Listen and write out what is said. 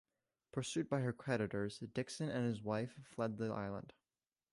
Pursued by her creditors, Dixon and his wife fled the island.